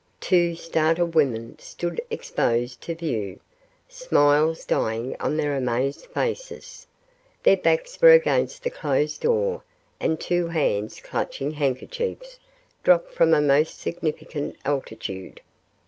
Two startled women stood exposed to view, smiles dying on their amazed faces. Their backs were against the closed door and two hands clutching handkerchiefs dropped from a most significant altitude.